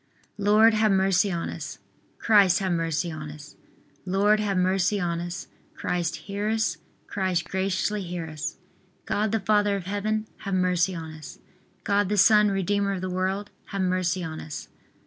Lord, have mercy on us. Christ, have mercy on us. Lord, have mercy on us. Christ, hear us. Christ, graciously hear us. God the Father of Heaven, have mercy on us. God the Son, Redeemer of the world, have mercy on us.